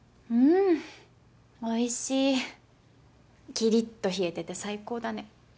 キリッと冷えてて最高だね。